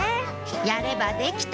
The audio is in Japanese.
やればできた！